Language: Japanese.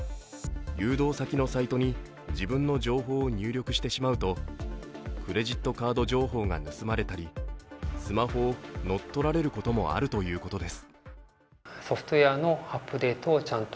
誘導先のサイトに自分の情報を入力してしまうとクレジットカード情報が盗まれたり、スマホを乗っ取られることもあるということです。